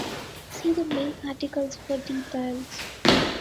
See the main articles for details.